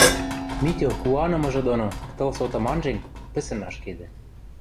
Митю куанымыжы доно, тыл сотым анжен, пӹсӹн ашкедӹ.